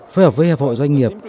phối hợp với hợp hội doanh nghiệp